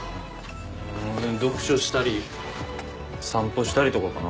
読書したり散歩したりとかかな。